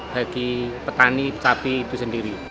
bagi petani sapi itu sendiri